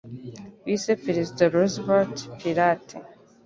Bise Perezida Roosevelt pirate.